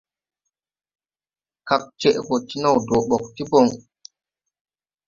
Kagn cɛʼ gɔ ti naw dɔɔ ɓɔg ti bɔŋ.